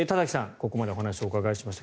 ここまでお話をお聞きしました。